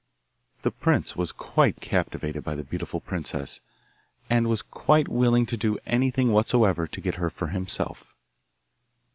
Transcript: The prince was quite captivated by the beautiful princess, and was quite willing to do anything whatsoever to get her for himself.